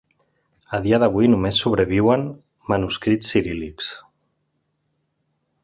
A dia d'avui, només sobreviuen manuscrits ciríl·lics.